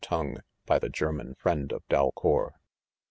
tongue, by the. German friend of Dalcour.